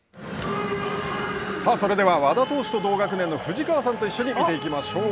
それでは、和田投手と同学年の藤川さんと一緒に見ていきましょう。